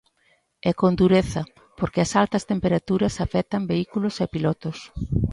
E con dureza, porque as altas temperaturas afectan vehículos e pilotos.